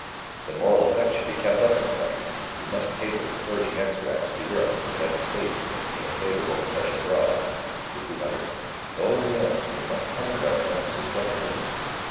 The moral effect should be kept up in the country. We must cable encouraging extracts to Europe and the United States to maintain a favourable impression abroad." Decoud muttered, "Oh, yes, we must comfort our friends, the speculators."